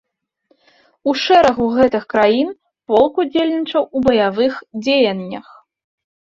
У шэрагу гэтых краін полк удзельнічаў у баявых дзеяннях.